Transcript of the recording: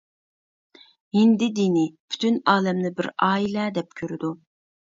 ھىندى دىنى: پۈتۈن ئالەمنى بىر ئائىلە دەپ كۆرىدۇ.